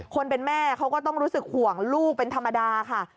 คนเป็นแม่เขาก็ต้องรู้สึกห่วงลูกเป็นธรรมดาค่ะ